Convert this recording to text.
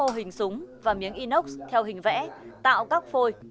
tân là người vẽ súng và miếng inox theo hình vẽ tạo các phôi